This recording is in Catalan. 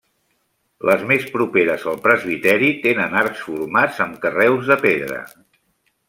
Les més properes al presbiteri tenen arcs formats amb carreus de pedra.